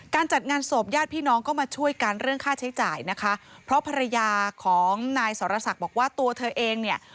จัดงานศพญาติพี่น้องก็มาช่วยกันเรื่องค่าใช้จ่ายนะคะเพราะภรรยาของนายสรศักดิ์บอกว่าตัวเธอเองเนี่ย